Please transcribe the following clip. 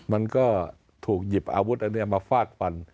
มันก็ถูกหยิบอาวุธอันนี้มาฟาดฟัน